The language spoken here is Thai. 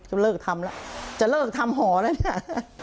เลิกทำแล้วจะเลิกทำหอแล้วเนี่ย